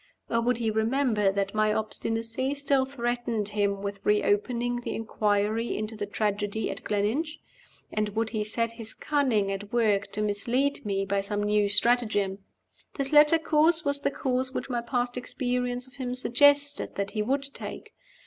Or would he remember that my obstinacy still threatened him with reopening the inquiry into the tragedy at Gleninch? and would he set his cunning at work to mislead me by some new stratagem? This latter course was the course which my past experience of him suggested that he would take.